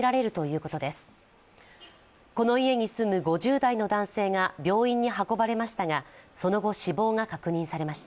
この家に住む５０代の男性が病院に運ばれましたがその後、死亡が確認されました。